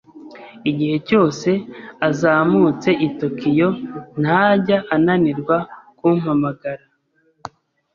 Igihe cyose azamutse i Tokiyo, ntajya ananirwa kumpamagara.